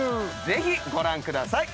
ぜひご覧ください。